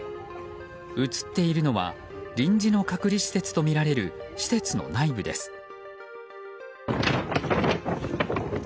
映っているのは臨時の隔離施設とみられる施設の内部です。